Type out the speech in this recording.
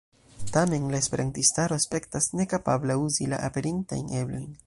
Tamen, la Esperantistaro aspektas nekapabla uzi la aperintajn eblojn.